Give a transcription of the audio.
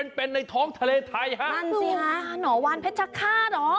นั่นสิฮะหวานเพชรฆาตเหรอ